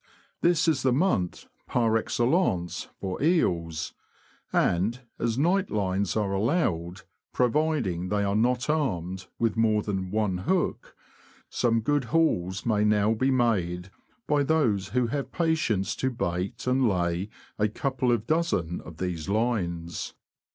This is the month par excellence for eels, and, as night lines are allowed, providing they are not armed with more than one hook, some good hauls may now be made by those who have patience to bait and lay a couple of dozen of these lines.